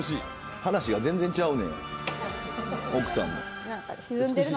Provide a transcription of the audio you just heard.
話が全然ちゃうねん奥さんの。